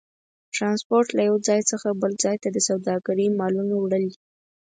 ترانسپورت له یو ځای څخه بل ځای ته د سوداګرۍ مالونو وړل دي.